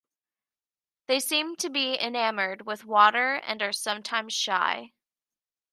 They seem to be enamored with water and are sometimes shy.